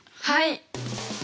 はい。